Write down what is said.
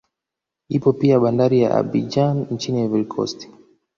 Ipo pia bandari ya Abidjan nchini Ivory Coast